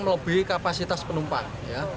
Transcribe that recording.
melebihi kapasitas penumpang